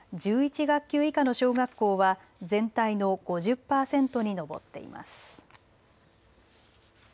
学級以下の小学校は全体の５０％に上っています。